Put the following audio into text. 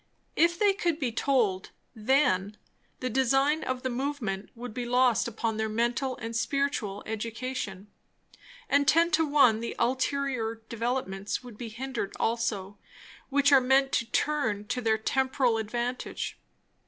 If they could be told, then, the design of the movement would be lost upon their mental and spiritual education; and ten to one the ulterior developments would be hindered also which are meant to turn to their temporal advantage.